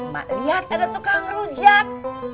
mak lihat ada tukang rujak